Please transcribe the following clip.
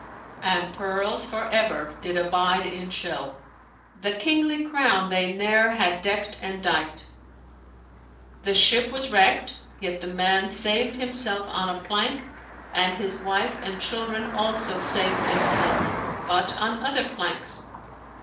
An pearls for ever did abide in shell, * The kingly crown they ne'er had deckt and dight." The ship was wrecked, yet the man saved himself on a plank and his wife and children also saved themselves, but on other planks.